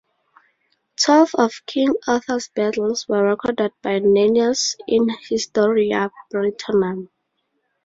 Twelve of King Arthur's battles were recorded by Nennius in "Historia Brittonum".